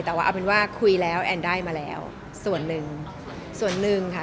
แต่ว่าเอาเป็นว่าคุยแล้วแอนได้มาแล้วส่วนหนึ่งส่วนหนึ่งค่ะ